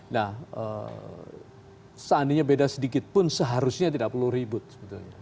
nah seandainya beda sedikit pun seharusnya tidak perlu ribut sebetulnya